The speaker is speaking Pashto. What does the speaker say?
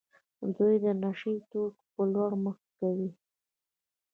دوی د نشه يي توکو په لور مخه کوي.